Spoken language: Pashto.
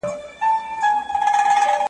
یارانه پر میدان ختمه سوه بې پته `